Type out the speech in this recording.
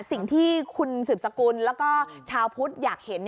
สิ่งที่คุณสืบสกุลแล้วก็ชาวพุทธอยากเห็น